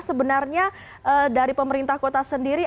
sebenarnya dari pemerintah kota sendiri